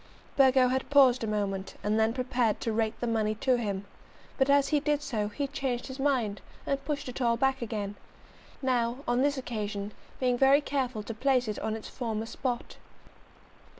Burgo had paused a moment, and then prepared to rake the money to him; but as he did so, he changed his mind, and pushed it all back again, now, on this occasion, being very careful to place it on its former spot.